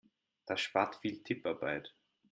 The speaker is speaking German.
Das spart viel Tipparbeit.